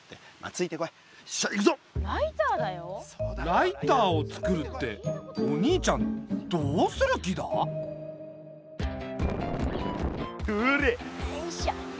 ライターをつくるってお兄ちゃんどうする気だ？ほら！よいしょ。